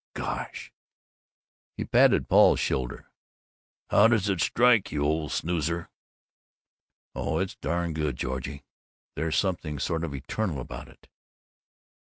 Gosh!" He patted Paul's shoulder. "How does it strike you, old snoozer?" "Oh, it's darn good, Georgie. There's something sort of eternal about it."